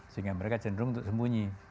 sehingga mereka cenderung sembunyi